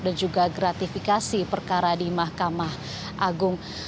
dan juga gratifikasi perkara di mahkamah agung